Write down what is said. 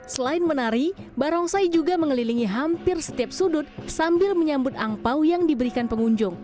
selain menari barongsai juga mengelilingi hampir setiap sudut sambil menyambut angpao yang diberikan pengunjung